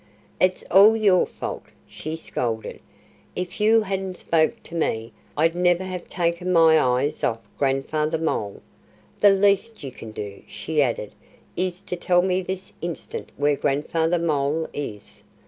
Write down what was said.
"It's all your fault," she scolded. "If you hadn't spoken to me I'd never have taken my eyes off Grandfather Mole.... The least you can do," she added, "is to tell me this instant where Grandfather Mole is."